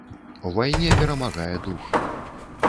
У вайне перамагае дух.